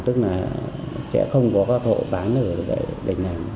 tức là sẽ không có các hộ bán ở đỉnh nàng